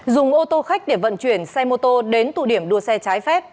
dùng ô tô khách để vận chuyển xe mô tô đến tụ điểm đua xe trái phép